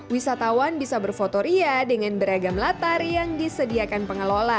wisatawan bisa berfotoria dengan beragam latar yang disediakan pengelola